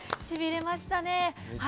しびれましたね。